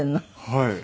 はい。